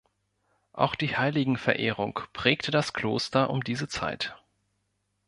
Auch die Heiligenverehrung prägte das Kloster um diese Zeit.